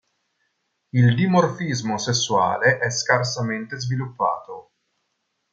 Il dimorfismo sessuale è scarsamente sviluppato.